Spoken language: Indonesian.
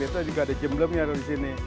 itu juga ada jemblemnya disini